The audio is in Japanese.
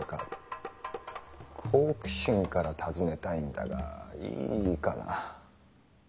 好奇心から尋ねたいんだがいいかな？